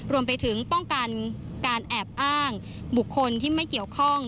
รวมไปถึงป้องกันการแอบอ้างบุคคลที่ไม่เกี่ยวข้อง